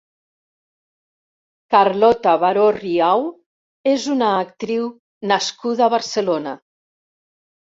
Carlota Baró Riau és una actriu nascuda a Barcelona.